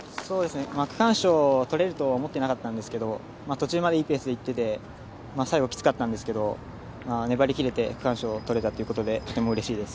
区間賞を取れるとは思っていなかったんですけど途中までいいペースでいってて最後きつかったんですけど粘り切れて区間賞を取れたということでとてもうれしいです。